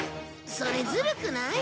それずるくない？